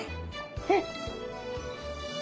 えっ！？